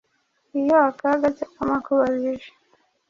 Iyo akaga cyangwa amakuba bije,